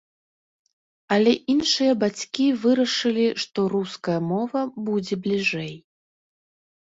Але іншыя бацькі вырашылі, што руская мова будзе бліжэй.